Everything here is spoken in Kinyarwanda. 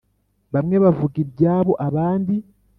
bamwe bavuga ibyabo abandi